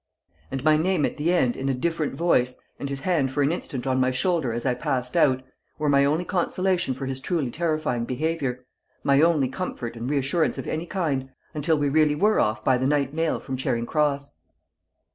And my name at the end in a different voice, and his hand for an instant on my shoulder as I passed out, were my only consolation for his truly terrifying behaviour, my only comfort and reassurance of any kind, until we really were off by the night mail from Charing Cross.